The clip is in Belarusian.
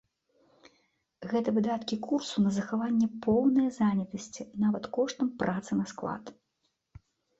Гэта выдаткі курсу на захаванне поўнае занятасці нават коштам працы на склад.